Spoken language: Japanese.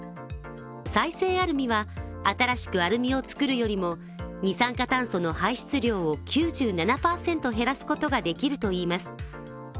再生アルミは新しくアルミを作るよりも二酸化炭素の排出量を９７％減らすことができるといいます。